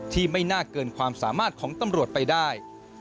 ที่ไม่น่าเกินความสามารถของตำรวจไปได้